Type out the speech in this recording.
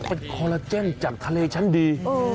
เป็นคอลลาเจนจากทะเลชั้นดี